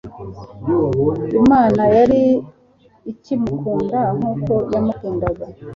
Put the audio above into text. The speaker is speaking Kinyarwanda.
Imana yari ikimukunda nkuko yamukundaga